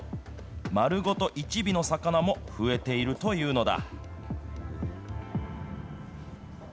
丸ごと一尾の魚も増えているというのだ。